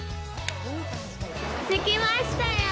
着きましたよ。